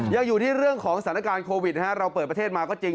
ยังอยู่ที่เรื่องของสถานการณ์โควิดเราเปิดประเทศมาก็จริง